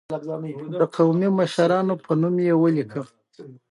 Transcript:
قومي مشرانو په نوم ولیک.